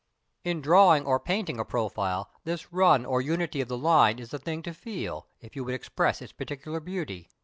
] In drawing or painting a profile this run or unity of the line is the thing to feel, if you would express its particular beauty.